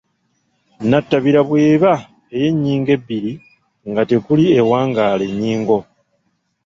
nnatabira bw’eba ey’ennyingo ebbiri nga tekuli ewangaala ennyingo